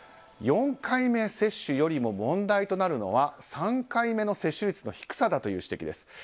４回目接種よりも問題になるのは３回目の接種率の低さだという指摘です。